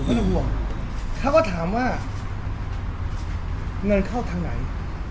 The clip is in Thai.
ก็เลยห่วงเขาก็ถามว่าเงินเข้าทางไหน